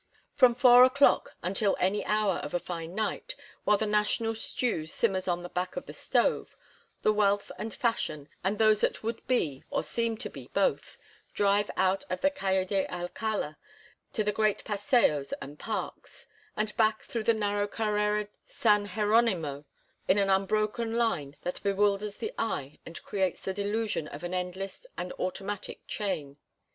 From four o'clock until any hour of a fine night, while the national stew simmers on the back of the stove, the wealth and fashion, and those that would be or seem to be both, drive out the Calle de Alcala to the great paseos and parks, and back through the narrow Carrera San Jeronimo in an unbroken line that bewilders the eye and creates the delusion of an endless and automatic chain.